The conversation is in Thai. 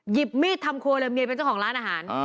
หยิบมีดทำครัวเลยเมียเป็นเจ้าของร้านอาหาร